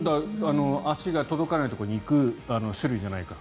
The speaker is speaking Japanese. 足が届かないところに行く種類じゃないか。